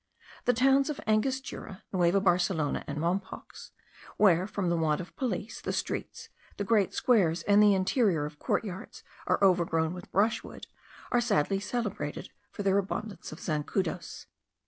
The towns of Angostura, Nueva Barcelona, and Mompox, where from the want of police, the streets, the great squares, and the interior of court yards are overgrown with brushwood, are sadly celebrated for the abundance of zancudos.